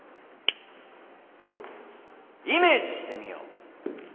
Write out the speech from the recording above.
イメージしてみよう。